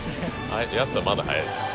やつはまだ早いです。